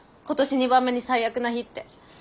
「今年二番目に最悪な日」って。